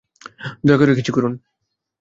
দয়া করে কিছু করুন।